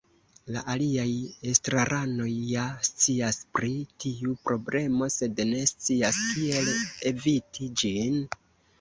La aliaj estraranoj ja scias pri tiu problemo, sed ne scias kiel eviti ĝin.